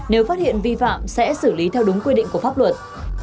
nếu phát hiện vi phạm sẽ xử lý theo đúng quy định của pháp luật